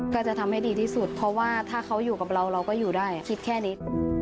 ก็จะทำให้ดีที่สุดเพราะว่าถ้าเขาอยู่กับเราเราก็อยู่ได้คิดแค่นี้